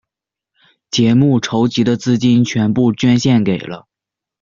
节目筹集的资金全部捐献给了。